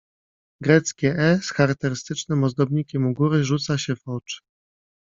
"Greckie „e” z charakterystycznym ozdobnikiem u góry rzuca się w oczy."